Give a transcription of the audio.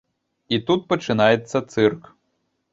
І тут пачынаецца цырк.